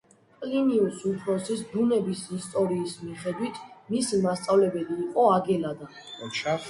პლინიუს უფროსის ბუნების ისტორიის მიხედვით მისი მასწავლებელი იყო აგელადა.